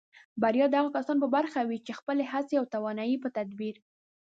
بریا د هغو کسانو په برخه وي چې خپلې هڅې او توانایۍ په تدبیر